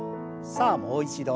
さあもう一度。